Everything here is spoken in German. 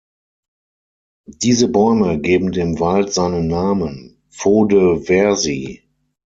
Diese Bäume geben dem Wald seinen Namen „Faux de Verzy“.